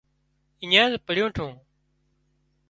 اڃينز پڙِيو ٺو